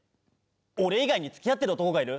俺以外に付き合ってる男がいる？